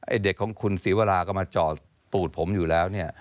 เด็กของคุณศรีวราก็มาจอดปูดผมอยู่แล้วเนี่ย